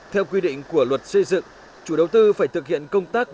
theo quy định của luật xây dựng chủ đầu tư phải thực hiện công tác